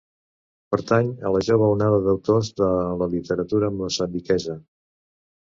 Pertany a la jove onada d'autors de la literatura moçambiquesa.